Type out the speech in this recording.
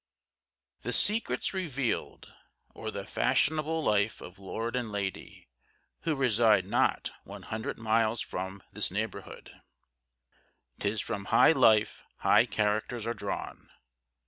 THE SECRETS REVEALED, OR THE FASHIONABLE LIFE OF LORD & LADY WHO RESIDE NOT ONE HUNDRED MILES FROM THIS NEIGHBOURHOOD. "'Tis from high life high characters are drawn."